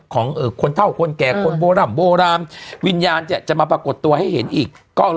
ของคนเท่าคนแก่คนโบร่ำโบราณวิญญาณจะมาปรากฏตัวให้เห็นอีก